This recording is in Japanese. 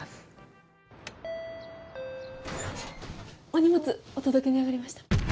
お荷物お届けに上がりました。